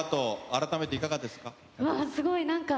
改めていかがですか。